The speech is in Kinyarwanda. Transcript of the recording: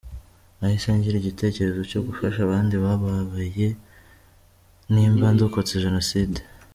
Nahise ngira igitekerezo cyo gufasha abandi bababaye nimba ndokotse Jenoside”.